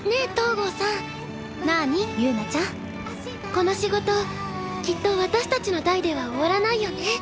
この仕事きっと私たちの代では終わらないよね。